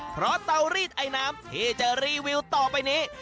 เพราะเตารีดไอน้ำที่จะรีวิวต่อไปนี้